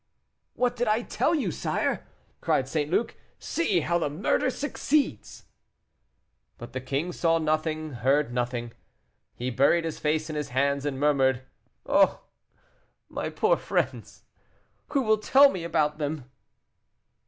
"What did I tell you, sire?" cried St. Luc. "See how murder succeeds." But the king saw nothing, heard nothing; he buried his face in his hands, and murmured. "Oh! my poor friends; who will tell me about them?"